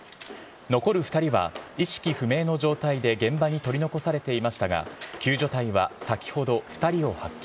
残る２人は意識不明の状態で現場に取り残されていましたが、救助隊は先ほど、２人を発見。